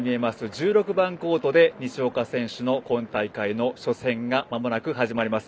１６番コートで西岡選手の今大会の初戦がまもなく始まります。